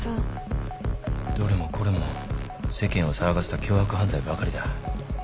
どれもこれも世間を騒がせた凶悪犯罪ばかりだ。